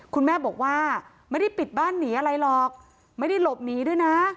คุณแม่บอกว่าไม่ได้ปิดบ้านหนีอะไรหรอกไม่ได้หลบหนีด้วยนะ